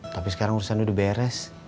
tapi sekarang urusan udah diberes